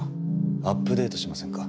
アップデートしませんか？